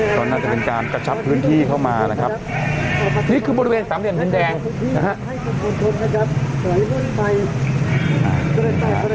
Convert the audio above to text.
ก็น่าจะเป็นการกระชับพื้นที่เข้ามานะครับนี่คือบริเวณสามเหลี่ยมดินแดงนะฮะ